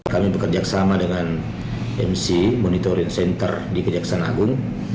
kami bekerja sama dengan mc monitoring center di kejaksaan agung